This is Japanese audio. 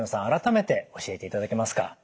改めて教えていただけますか。